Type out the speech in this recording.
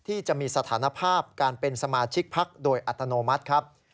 ที่จะมีสถานภาพการเป็นสมาชิกพักโดยอัตโนมัติครับ